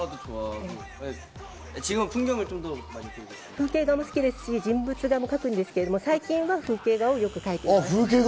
風景画も好きですし、人物画も描くんですが、最近は風景画をよく描きます。